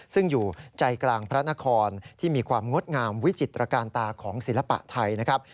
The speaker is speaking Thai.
ซึ่งอยู่ใจกลางพระนครที่มีความงดงามวิจิตรการตาของศิลปะไทยนะครับ